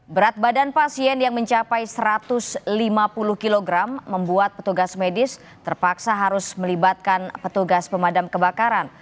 berat badan pasien yang mencapai satu ratus lima puluh kg membuat petugas medis terpaksa harus melibatkan petugas pemadam kebakaran